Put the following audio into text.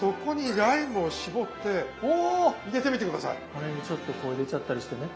この辺にちょっとこう入れちゃったりしてね。